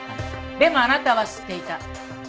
でもあなたは知っていた。